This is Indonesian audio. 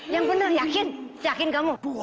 yang bener yakin yakin kamu